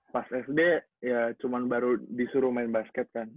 pas sd ya cuma baru disuruh main basket kan